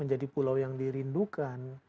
menjadi pulau yang dirindukan